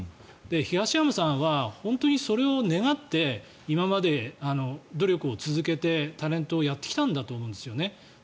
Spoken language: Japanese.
東山さんは本当にそれを願って今まで努力を続けてタレントをやってきたんだと思うんですよね。